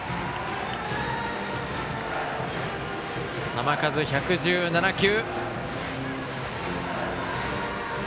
球数、１１７球。